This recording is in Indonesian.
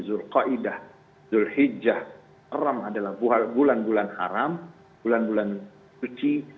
zulkojah haram adalah bulan bulan haram bulan bulan suci